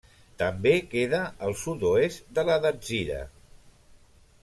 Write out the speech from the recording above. També queda al sud-oest de la Datzira.